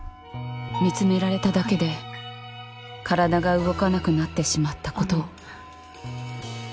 見つめられただけで体が動かなくなってしまったことを。